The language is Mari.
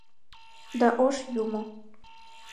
Да ош юмо